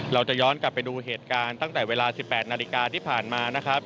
เราจะย้อนกลับไปดูเหตุการณ์ตั้งแต่เวลา๑๘นาฬิกาที่ผ่านมานะครับ